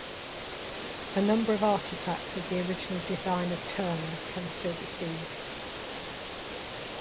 A number of artifacts of the original design of Turner can still be seen.